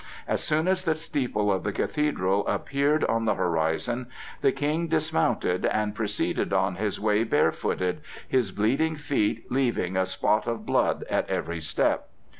As soon as the steeple of the Cathedral appeared on the horizon, the King dismounted, and proceeded on his way barefooted, his bleeding feet leaving a spot of blood at every step.